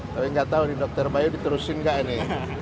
tapi nggak tahu nih dokter bayu diterusin nggak ini